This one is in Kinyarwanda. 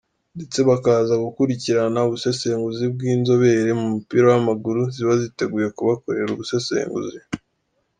Ndetse bakaza gukurikirana ubusesenguzi bw’ inzobere mu mupira w’ amaguru ziba ziteguye kubakorera ubusesenguzi.